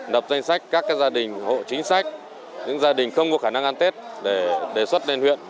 đập danh sách các gia đình hộ chính sách những gia đình không có khả năng ăn tết để xuất lên huyện